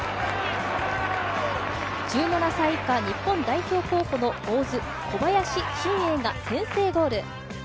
１７歳以下、日本代表候補の大津・小林俊瑛が先制ゴール。